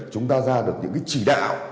chúng ta ra được những cái chỉ đạo